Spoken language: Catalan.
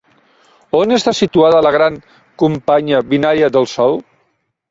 On està situada la gran companya binària del Sol?